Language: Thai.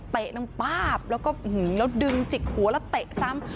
เตะตั้งป้าบแล้วดึงจิกหัวแล้วเตะซ้ำ